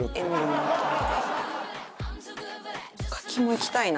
柿もいきたいな。